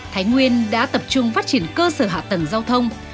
thái nguyên đã tập trung phát triển cơ sở hạ tầng giao thông